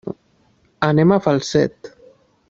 Anem a Falset.